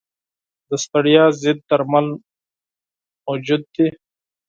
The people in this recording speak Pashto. د ستړیا ضد درمل موجود دي.